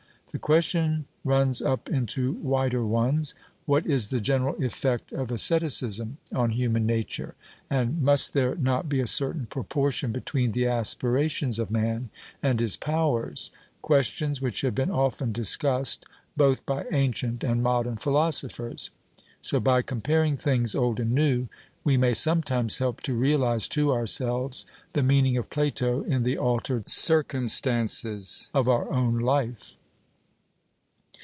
The question runs up into wider ones What is the general effect of asceticism on human nature? and, Must there not be a certain proportion between the aspirations of man and his powers? questions which have been often discussed both by ancient and modern philosophers. So by comparing things old and new we may sometimes help to realize to ourselves the meaning of Plato in the altered circumstances of our own life.